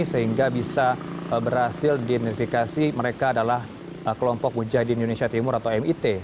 sehingga bisa berhasil diidentifikasi mereka adalah kelompok mujahidin indonesia timur atau mit